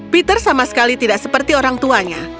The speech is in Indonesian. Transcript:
peter sama sekali tidak seperti orang tuanya